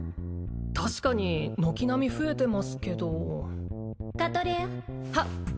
確かに軒並み増えてますけどカトレアはっ！